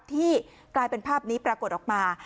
ที่กลายเป็นภาพนี้ปรากฏออกมา